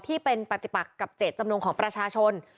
ที่เป็นปฏิปักกับเจตจำนงของประชาชน